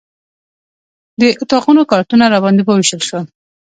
د اتاقونو کارتونه راباندې ووېشل شول.